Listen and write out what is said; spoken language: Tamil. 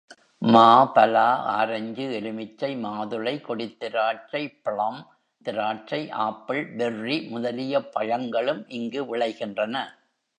மா, பலா, ஆரஞ்சு, எலுமிச்சை, மாதுளை, கொடித்திராட்சை, ப்ளம் திராட்சை, ஆப்பிள், பெர்ரி முதலிய பழங்களும் இங்கு விளைகின்றன.